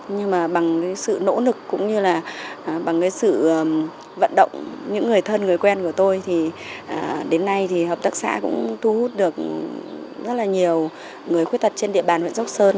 nhưng mà bằng cái sự nỗ lực cũng như là bằng cái sự vận động những người thân người quen của tôi thì đến nay thì hợp tác xã cũng thu hút được rất là nhiều người khuyết tật trên địa bàn huyện dốc sơn